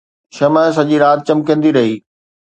شمع سڄي رات چمڪندي رهي